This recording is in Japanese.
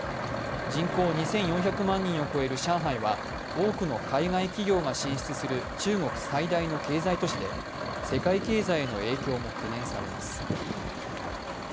人口２４００万人を超える上海は多くの海外企業が進出する中国最大の経済都市で世界経済への影響も懸念されます。